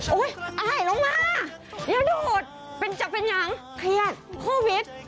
โอ้ยอ้ายลงมาอย่าโดดเป็นจะเป็นอย่างเครียดโควิด